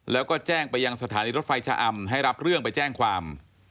แล้วก็แจ้งไปยังสถานีรถไฟชะอำให้รับเรื่องไปแจ้งความ